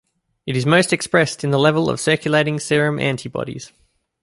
It is most expressed in the level of circulating serum antibodies.